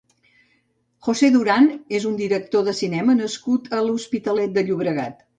José Durán és un director de cinema nascut a l'Hospitalet de Llobregat.